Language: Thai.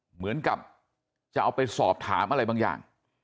เหมือนกับจะเอาไปสอบถามอะไรบางอย่าง